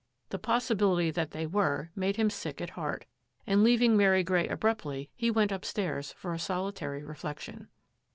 The possibility that they were made him sick at heart, and leaving Mary Grey abruptly, he went upstairs for a solitary reflection.